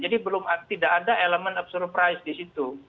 jadi belum tidak ada elemen of surprise disitu